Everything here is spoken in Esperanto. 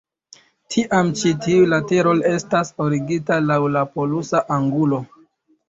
Tiam ĉi tiuj lateroj estas ordigita laŭ la polusa angulo.